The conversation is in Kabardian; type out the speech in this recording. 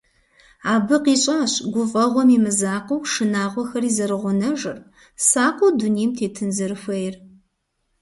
Абы къищӀащ гуфӀэгъуэм и мызакъуэу шынагъуэхэри зэрыгъунэжыр, сакъыу дунейм тетын зэрыхуейр.